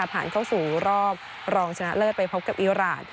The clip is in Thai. ผ่านเข้าสู่รอบรองชนะเลิศไปพบกับอีราน